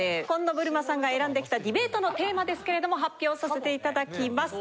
紺野ぶるまさんが選んできたディベートのテーマですけれども発表させていただきます。